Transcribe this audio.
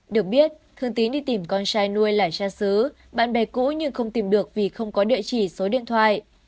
được biết thương tín đi tìm con trai nuôi là cha xứ bạn bè cũ nhưng không tìm được vì không có địa chỉ số điện thoại